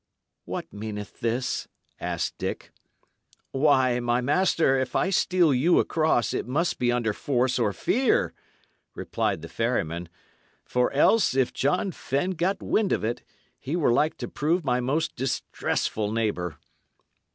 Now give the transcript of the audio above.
"What meaneth this?" asked Dick. "Why, my master, if I steal you across, it must be under force or fear," replied the ferryman; "for else, if John Fenne got wind of it, he were like to prove my most distressful neighbour."